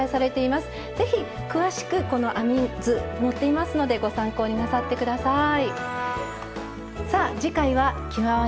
是非詳しくこの編み図載っていますのでご参考になさって下さい。